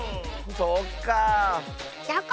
そっかあ。